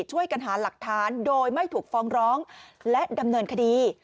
ช่วยกันหาหลักฐานโดยไม่ถูกฟ้องร้องและดำเนินคดี